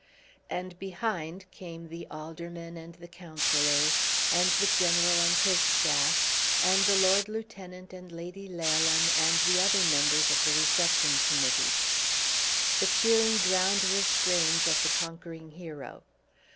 And behind came the Aldermen and the Councillors, and the General and his staff, and the Lord Lieutenant and Lady Laleham and the other members of the Reception Committee. The cheering drowned the strains of the "Conquering Hero."